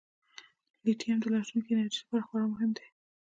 لیتیم د راتلونکي انرژۍ لپاره خورا مهم دی.